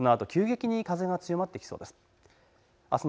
このあと急激に風が強まってきそうです。